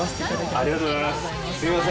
ありがとうございます